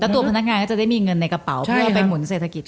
ตัวพนักงานก็จะได้มีเงินในกระเป๋าเพื่อไปหมุนเศรษฐกิจ